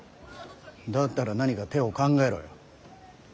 だったら何か手を考えろよ。